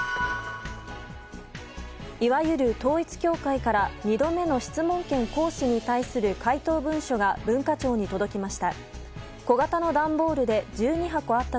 いわゆる統一教会から２度目の質問権行使に対する回答文書が文化庁に届きました。